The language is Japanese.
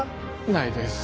ないです